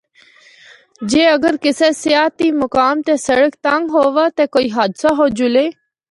جے اگر کسی سیاحتی مقام تے سڑک تنگ ہووا تے کوئی حادثہ ہو جُلے۔